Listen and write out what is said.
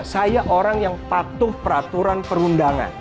saya orang yang patuh peraturan perundangan